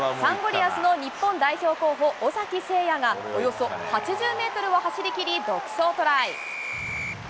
リアスの日本代表候補、尾崎晟也がおよそ８０メートルを走りきり、独走トライ。